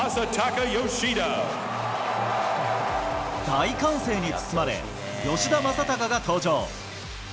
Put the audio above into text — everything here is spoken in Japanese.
大歓声に包まれ、吉田正尚が登場。